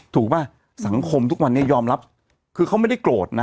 ป่ะสังคมทุกวันนี้ยอมรับคือเขาไม่ได้โกรธนะ